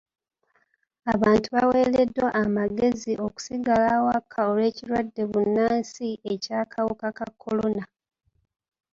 Abantu baweereddwa amagezi okusigala awaka olw'ekirwadde bbunansi eky'akawuka ka kolona.